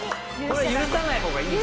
これ許さない方がいいし。